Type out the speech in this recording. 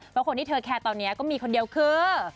เพราะคนที่เธอแคร์ตอนนี้ก็มีคนเดียวคือ